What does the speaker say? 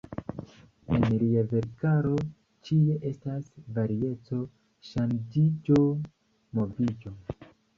En lia verkaro ĉie estas varieco, ŝanĝiĝo, moviĝo.